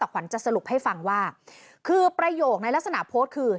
ขวัญจะสรุปให้ฟังว่าคือประโยคในลักษณะโพสต์คือ